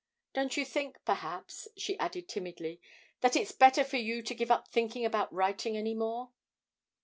Don't you think, perhaps,' she added timidly, 'that it's better for you to give up thinking about writing any more?'